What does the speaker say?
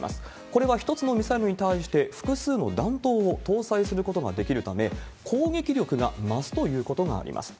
これは１つのミサイルに対して複数の弾頭を搭載することができるため、攻撃力が増すということがあります。